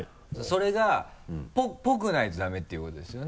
それがぽくないとダメっていうことですよね？